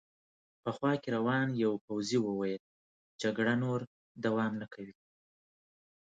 په خوا کې روان یوه پوځي وویل: جګړه نور دوام نه کوي.